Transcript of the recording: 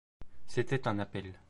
C’était un appel.